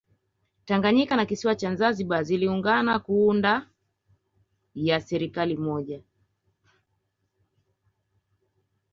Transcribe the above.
Tanganyika na kisiwa cha Zanzibar zilungana kuunda ya serikali moja